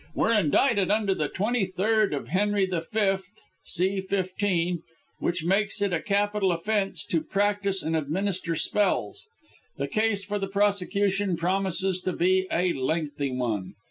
were indicted under the 23rd of Henry the Fifth, C. 15, which makes it a capital offence to practise and administer spells. The case for the prosecution promises to be a lengthy one.